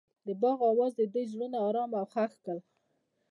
د باغ اواز د دوی زړونه ارامه او خوښ کړل.